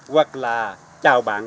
hoặc là chào bạn